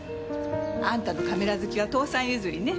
あんたのカメラ好きは父さん譲りね。